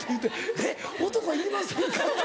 「えっお床いりませんか？」。